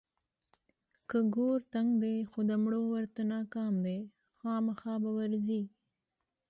که ګور تنګ دی خو د مړو ورته ناکام دی، خوامخا به ورځي.